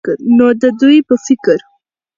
نو د دوي په فکر